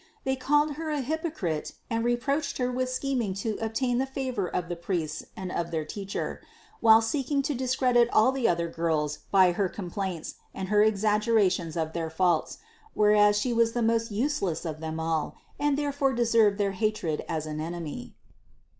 They called Her a hypocrite and reproached Her with schem ing to obtain the favor of the priests and of their teacher, while seeking to discredit all the other girls by her com plaints and her exaggerations of their faults, whereas She was the most useless of them all and therefore de served their hatred as an enemy.